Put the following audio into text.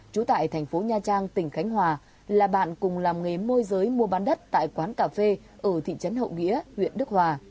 trú tại thành phố nha trang tỉnh khánh hòa là bạn cùng làm nghề môi giới mua bán đất tại quán cà phê ở thị trấn hậu nghĩa huyện đức hòa